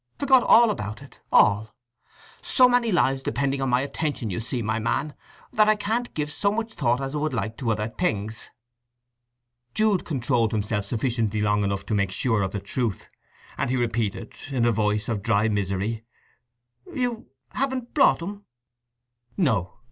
Forgot all about it—all! So many lives depending on my attention, you see, my man, that I can't give so much thought as I would like to other things." Jude controlled himself sufficiently long to make sure of the truth; and he repeated, in a voice of dry misery, "You haven't brought 'em!" "No.